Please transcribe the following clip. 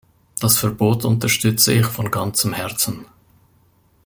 Das Verbot unterstütze ich von ganzem Herzen.